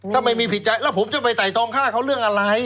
ถ้าไม่มีผิดใจแล้วผมจะไปไต่ตองฆ่าเขาเรื่องอะไร